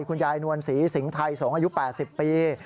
คุณยายนวลศรีสิงห์ไทยสงฆ์อายุ๘๐ปี